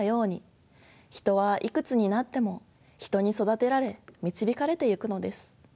人はいくつになっても人に育てられ導かれてゆくのです。